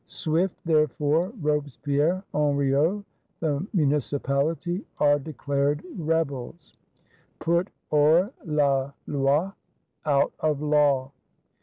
Swift, therefore, Robespierre, Henriot, the Municipality, are declared Rebels, put Hors la Loi, Out of Law.